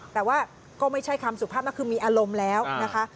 แต่ว่าก็ไม่ใช่คำสุภาพนั่นคือมีอารมณ์แล้วนะคะ